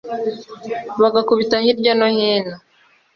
bagakubita hirya no hino